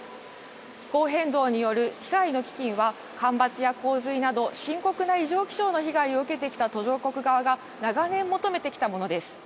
気候変動による被害への基金は干ばつや洪水など深刻な異常気象の被害を受けてきた途上国側が長年、求めてきたものです。